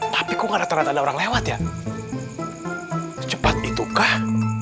tapi kok ada orang lewat ya cepat itukah